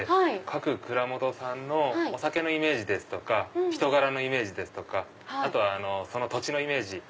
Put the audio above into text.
各蔵元さんのお酒のイメージですとか人柄のイメージですとかあとはその土地のイメージ。